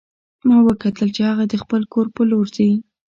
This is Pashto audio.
ما وکتل چې هغه د خپل کور په لور ځي